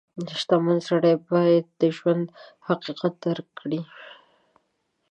• شتمن سړی باید د ژوند حقیقت درک کړي.